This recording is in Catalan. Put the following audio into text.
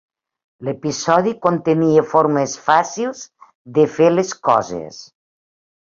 L'episodi contenia formes fàcils de fer les coses.